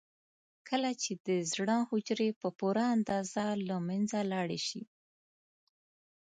کله چې د زړه حجرې په پوره اندازه له منځه لاړې شي.